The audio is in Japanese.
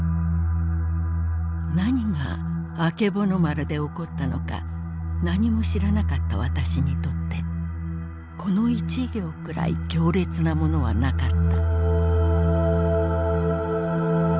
なにが『あけぼの丸』で起ったのかなにも知らなかった私にとってこの一行くらい強烈なものはなかった」。